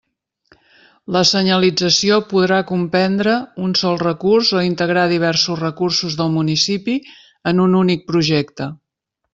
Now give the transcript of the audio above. La senyalització podrà comprendre un sol recurs o integrar diversos recursos del municipi en un únic projecte.